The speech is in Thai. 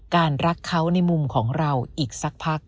รักเขาในมุมของเราอีกสักพัก